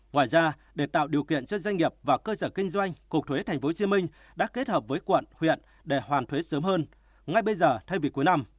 ngoài ra để tạo điều kiện cho doanh nghiệp và cơ sở kinh doanh cục thuế tp hcm đã kết hợp với quận huyện để hoàn thuế sớm hơn ngay bây giờ thay vì cuối năm